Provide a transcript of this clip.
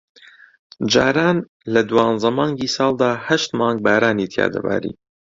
جاران لە دوانزە مانگی ساڵدا ھەشت مانگ بارانی تیا دەباری